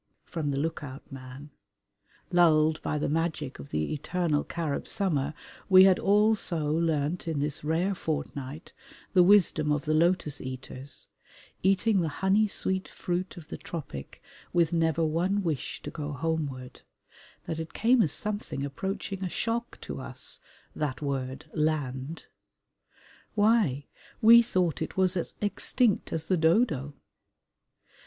from the look out man; lulled by the magic of the eternal Carib summer, we had all so learnt in this rare fortnight the wisdom of the lotus eaters, eating the honey sweet fruit of the tropic with never one wish to go homeward, that it came as something approaching a shock to us, that word "land." Why, we thought it was as extinct as the dodo!